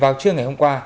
vào trưa ngày hôm qua